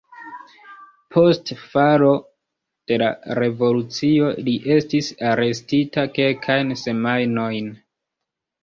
Post falo de la revolucio li estis arestita kelkajn semajnojn.